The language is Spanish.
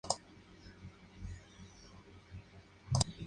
Sus incursiones cinematográficas son escasas.